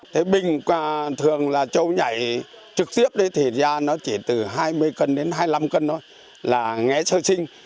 thế bình thường là châu nhảy trực tiếp thì ra nó chỉ từ hai mươi cân đến hai mươi năm cân thôi là nghe sơ sinh